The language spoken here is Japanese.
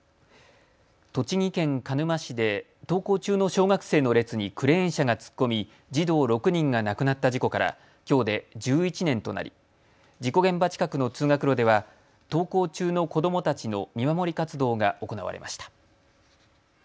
栃木県鹿沼市で登校中の小学生の列にクレーン車が突っ込み児童６人が亡くなった事故からきょうで１１年となり事故現場近くの通学路では登校中の子どもたちの見守り活動が行われました。